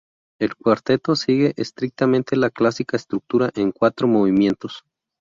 El cuarteto sigue estrictamente la clásica estructura en cuatro movimientos.